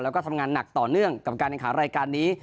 แล้วก็ทำงานหนักต่อเนื่องกับการแข่งขันรายการนี้